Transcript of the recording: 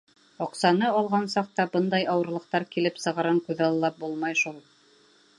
Аҡсаны алған саҡта бындай ауырлыҡтар килеп сығырын күҙаллап булмай шул.